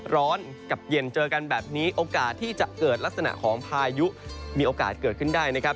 กับเย็นเจอกันแบบนี้โอกาสที่จะเกิดลักษณะของพายุมีโอกาสเกิดขึ้นได้นะครับ